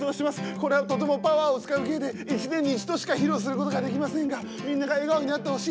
これはとてもパワーを使う芸で一年に一度しか披露することができませんがみんなが笑顔になってほしい。